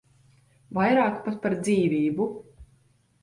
Vairāk pat par dzīvību.